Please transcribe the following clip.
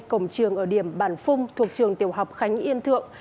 cổng trường ở điểm bản phung thuộc trường tiểu học khánh yên thượng